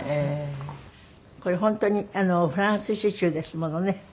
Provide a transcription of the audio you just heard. これ本当にフランス刺繍ですものね。